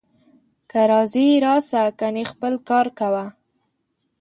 که راځې راسه، کنې خپل کار کوه